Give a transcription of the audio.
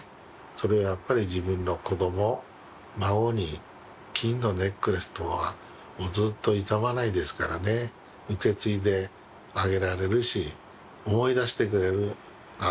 それをやっぱり自分の子ども孫に金のネックレス等はずっと傷まないですからね受け継いであげられるし思い出してくれるあ